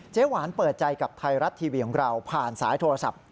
หวานเปิดใจกับไทยรัฐทีวีของเราผ่านสายโทรศัพท์